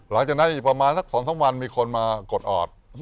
หลังจากนั้นอีกประมาณสัก๒๓วันมีคนมากดออด